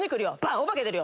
お化け出るよ！